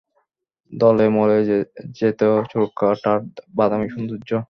দলে-মলে যেত চোরকাঁটার বাদামি সৌন্দর্য।